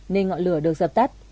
nên ngọn lửa được dập tắt